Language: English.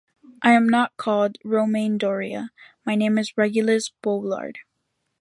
I’m not called Romain Doria, my name is Régulus Boulard.